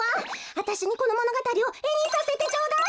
あたしにこのものがたりをえにさせてちょうだい！